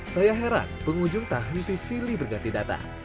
saya heran pengunjung tak henti silih berganti data